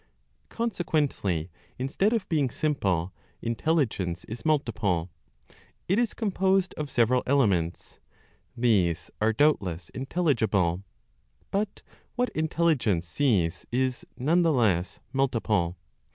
Consequently, instead of being simple, intelligence is multiple. It is composed of several elements; these are doubtless intelligible, but what intelligence sees is none the less multiple.